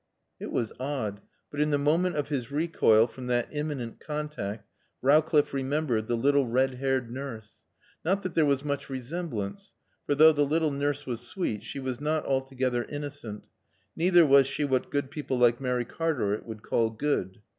It was odd, but in the moment of his recoil from that imminent contact Rowcliffe remembered the little red haired nurse. Not that there was much resemblance; for, though the little nurse was sweet, she was not altogether innocent, neither was she what good people like Mary Cartaret would call good.